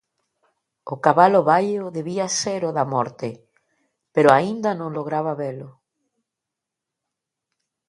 O cabalo baio debía ser o da morte, pero aínda non lograba velo.